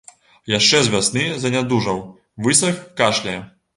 Яшчэ з вясны занядужаў, высах, кашляе.